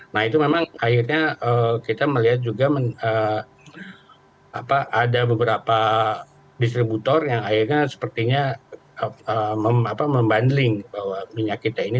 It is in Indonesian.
nah itu memang akhirnya kita melihat juga ada beberapa distributor yang akhirnya sepertinya membandling bahwa minyak kita ini